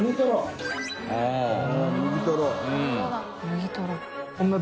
麦とろ。